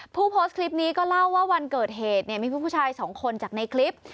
ผู้โพสต์คลิปนี้ก็เล่าว่าวันเกิดเหตุเนี่ยมีผู้ชายสองคนจากในคลิป